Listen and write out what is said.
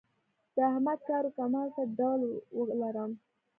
د احمد کار و کمال ته ډول ولاړم.